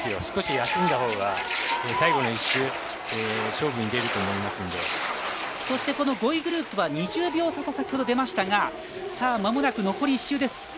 少し休んだほうが最後の１周そして５位グループは２０秒差と先ほど出ましたがまもなく残り１周です。